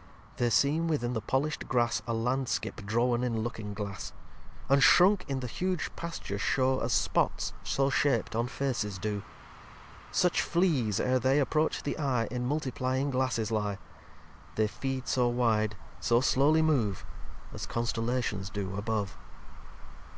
lviii They seem within the polisht Grass A landskip drawen in Looking Glass. And shrunk in the huge Pasture show As spots, so shap'd, on Faces do. Such Fleas, ere they approach the Eye, In Multiplyiug Glasses lye. They feed so wide, so slowly move, As Constellations do above.